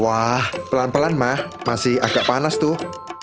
wah pelan pelan mah masih agak panas tuh